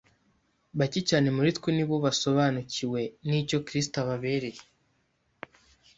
Bake cyane muri twe ni bo basobanukiwe n'icyo Kristo ababereye